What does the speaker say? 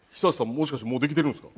もしかしてもうできてるんですか？